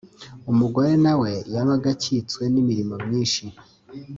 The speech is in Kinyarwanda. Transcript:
umugore nawe yabaga akitswe n’imirimo myinshi